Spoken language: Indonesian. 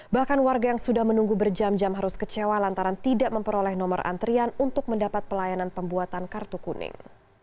bahkan warga yang sudah menunggu berjam jam harus kecewa lantaran tidak memperoleh nomor antrian untuk mendapat pelayanan pembuatan kartu kuning